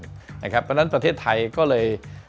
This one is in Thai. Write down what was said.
เพราะฉะนั้นประเทศไทยก็เลย